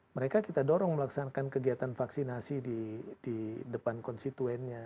mereka kita dorong melaksanakan kegiatan vaksinasi di depan konstituennya